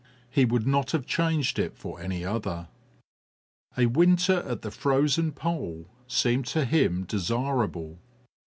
He would not have changed it for any other! A winter at the Frozen Pole seemed to him desirable.